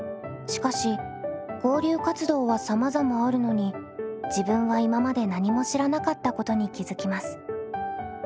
しかし交流活動はさまざまあるのに自分は今まで何も知らなかったことに気付きます。